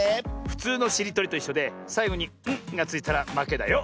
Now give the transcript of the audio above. ふつうのしりとりといっしょでさいごに「ん」がついたらまけだよ。